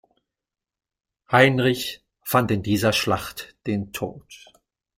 Heinrich fand in dieser Schlacht den Tod.